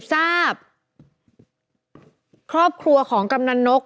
แฮปปี้เบิร์สเจทู